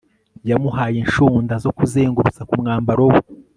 yamuhaye inshunda zo kuzengurutsa ku mwambaro we